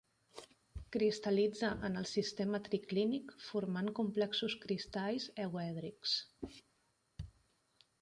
Cristal·litza en el sistema triclínic formant complexos cristalls euèdrics.